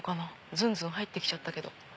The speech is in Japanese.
ずんずん入ってきちゃったけど。